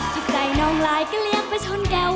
จิตใจน้องลายก็เลี้ยงไปชนแก้ว